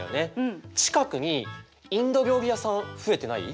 近くにインド料理屋さん増えてない？